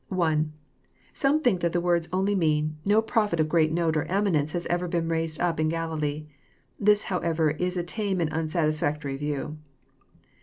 (1) Some think that the words only mean, no <* prophet of ^eat note or eminence has ever been raised up in GalUee." This, however, is a tame and unsatisfactory view.